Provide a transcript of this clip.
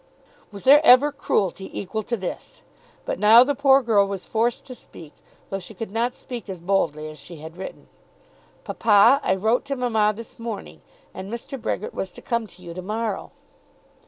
Was there ever cruelty equal to this! But now the poor girl was forced to speak, though she could not speak as boldly as she had written. "Papa, I wrote to mamma this morning, and Mr. Brehgert was to come to you to morrow."